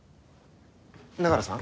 永浦さん。